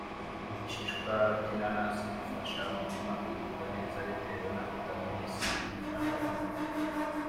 Ibishishwa by’inanasi bifasha umutima kugubwa neza bitewe na vitamin C ibibonekamo